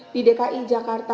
di dki jakarta